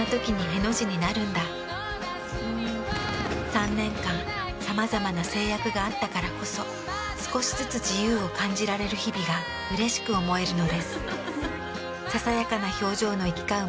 ３年間さまざまな制約があったからこそ少しずつ自由を感じられる日々がうれしく思えるのです。